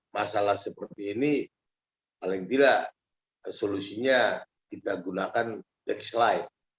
masalah seperti ini paling tidak solusinya kita gunakan taxlight